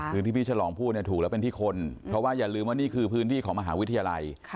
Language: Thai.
ที่พี่ฉลองพูดเนี่ยถูกแล้วเป็นที่คนเพราะว่าอย่าลืมว่านี่คือพื้นที่ของมหาวิทยาลัย